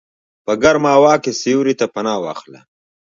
په ګرمه هوا کې سیوري ته پناه واخله.